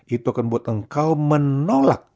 itu akan buat engkau menolak